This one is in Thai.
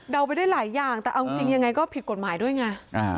ไปได้หลายอย่างแต่เอาจริงยังไงก็ผิดกฎหมายด้วยไง